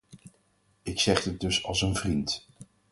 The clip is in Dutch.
Ik zeg dit dus als een vriend.